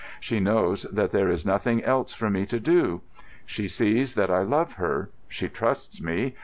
She knows that there is nothing else for me to do. She sees that I love her. She trusts me.